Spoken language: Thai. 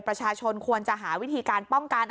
ประชาชนควรจะหาวิธีการป้องกัน